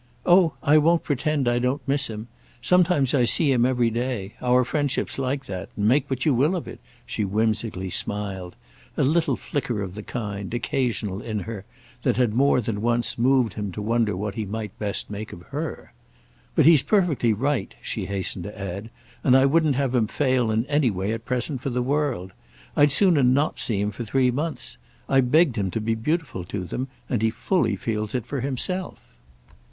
"Oh I won't pretend I don't miss him. Sometimes I see him every day. Our friendship's like that. Make what you will of it!" she whimsically smiled; a little flicker of the kind, occasional in her, that had more than once moved him to wonder what he might best make of her. "But he's perfectly right," she hastened to add, "and I wouldn't have him fail in any way at present for the world. I'd sooner not see him for three months. I begged him to be beautiful to them, and he fully feels it for himself."